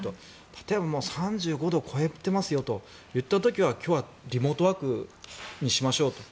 例えば３５度を超えてますよといった時は今日はリモートワークにしましょうと。